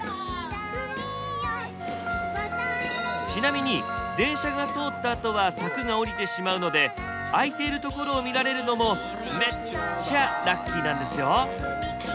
ちなみに電車が通ったあとは柵が下りてしまうので開いているところを見られるのもめっちゃラッキーなんですよ。